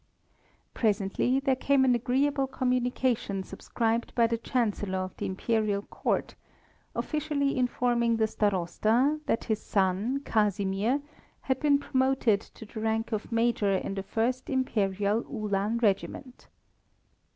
Presently there came an agreeable communication subscribed by the Chancellor of the Imperial Court officially informing the Starosta that his son Casimir had been promoted to the rank of major in the First Imperial Uhlan regiment.